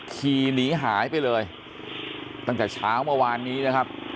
ขี่หนีหายไปเลยตั้งแต่เช้าเมื่อวานนี้นะครับ